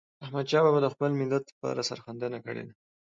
احمدشاه بابا د خپل ملت لپاره سرښندنه کړې ده.